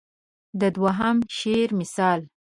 د دوهم شعر مثال.